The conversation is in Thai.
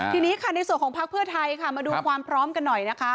ทีนี้ค่ะในส่วนของพักเพื่อไทยค่ะมาดูความพร้อมกันหน่อยนะคะ